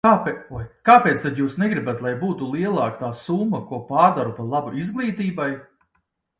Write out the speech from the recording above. Kāpēc tad jūs negribat, lai būtu lielāka tā summa, ko pārdala par labu izglītībai?